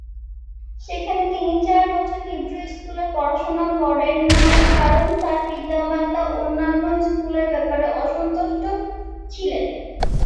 সেখানে তিনি চার বছর হিব্রু স্কুলে পড়াশুনা করেন, কারণ তার পিতামাতা অন্যান্য স্কুলের ব্যাপারে অসন্তুষ্ট ছিলেন।